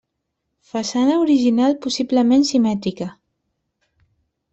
Façana original possiblement simètrica.